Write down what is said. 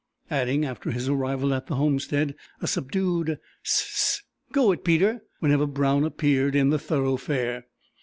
Adding, after his arrival at the homestead, a subdued "S—SS s, go it, Peter!" whenever Brown appeared in the thoroughfare.